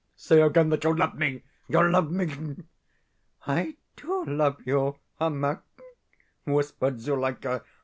Say again that you love me, you love me!' "'I DO love you, Ermak,' whispered Zuleika.